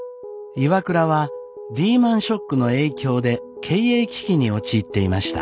ＩＷＡＫＵＲＡはリーマンショックの影響で経営危機に陥っていました。